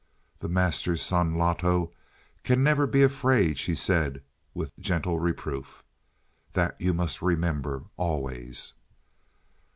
"The Master's son, Loto, never can he be afraid," she said with gentle reproof. "That must you remember always."